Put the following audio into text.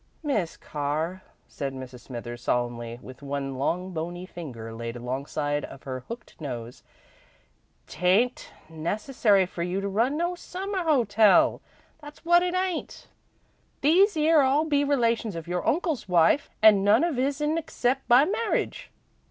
"Miss Carr," said Mrs. Smithers, solemnly, with one long bony finger laid alongside of her hooked nose, "'t ain't necessary for you to run no Summer hotel, that's what it ain't. These 'ere all be relations of your uncle's wife and none of his'n except by marriage.